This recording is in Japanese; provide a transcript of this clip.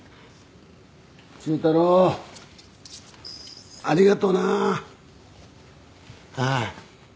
忠太郎ありがとうな。はあ。